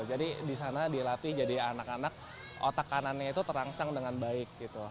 jadi disana dilatih jadi anak anak otak kanannya itu terangsang dengan baik gitu